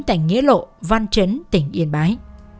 tại nghĩa lộ văn chấn tỉnh yên bái